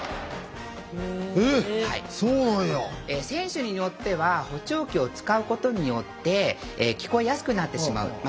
選手によっては補聴器を使うことによって聞こえやすくなってしまう。